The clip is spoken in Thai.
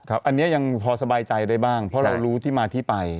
อันนี้ยังพอสบายใจได้บ้างเพราะเรารู้ที่มาที่ไป